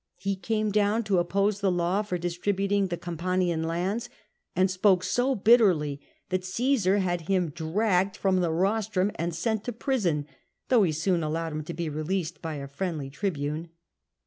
He came down to oppose the law for distributing the Campanian lands, and spoke so bitterly that Cmsar had him dragged from the rostrum and sent to prison, though he soon allowed him to be released by a friendly tribune.